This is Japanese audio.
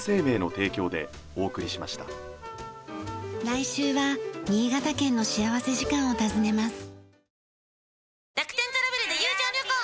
来週は新潟県の幸福時間を訪ねます。